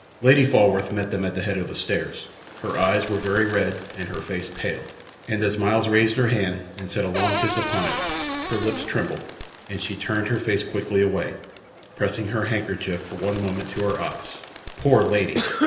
Lady Falworth met them at the head of the stairs; her eyes were very red and her face pale, and as Myles raised her hand and set a long kiss upon it, her lips trembled, and she turned her face quickly away, pressing her handkerchief for one moment to her eyes. Poor lady!